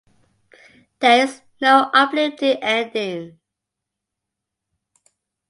There is no uplifting ending.